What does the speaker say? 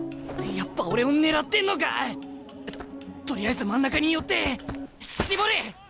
やっぱ俺を狙ってんのか！？ととりあえず真ん中に寄って絞る！